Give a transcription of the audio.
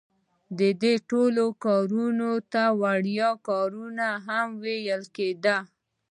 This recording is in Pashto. دې ټولو کارونو ته وړیا کارونه ویل کیده.